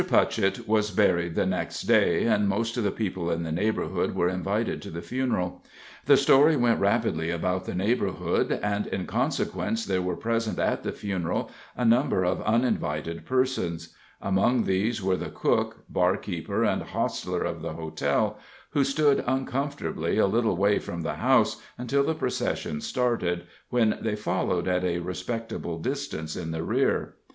Putchett was buried the next day, and most of the people in the neighborhood were invited to the funeral. The story went rapidly about the neighborhood, and in consequence there were present at the funeral a number of uninvited persons: among these were the cook, bar keeper and hostler of the hotel, who stood uncomfortably a little way from the house until the procession started, when they followed at a respectful distance in the rear.